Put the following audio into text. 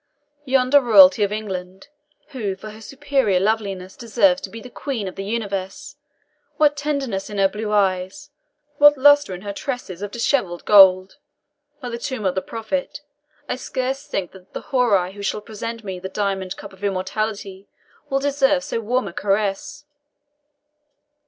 Yonder royalty of England, who for her superior loveliness deserves to be Queen of the universe what tenderness in her blue eye, what lustre in her tresses of dishevelled gold! By the tomb of the Prophet, I scarce think that the houri who shall present to me the diamond cup of immortality will deserve so warm a caress!"